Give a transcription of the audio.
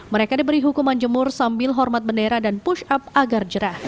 mereka diberi hukuman jemur sambil hormat bendera dan push up agar jerah